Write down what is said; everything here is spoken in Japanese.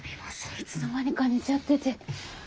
いつの間にか寝ちゃってて。